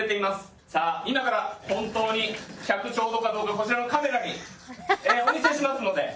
さあ、今から本当に１００ちょうどかどうかこちらのカメラにお見せしますので。